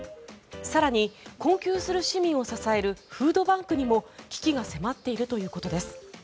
更に、困窮する市民を支えるフードバンクにも危機が迫っているということです。